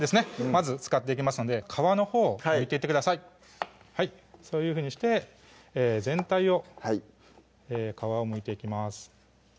まず使っていきますので皮のほうをむいていってくださいそういうふうにして全体を皮をむいていきます